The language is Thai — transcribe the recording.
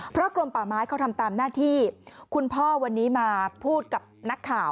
เพราะกรมป่าไม้เขาทำตามหน้าที่คุณพ่อวันนี้มาพูดกับนักข่าว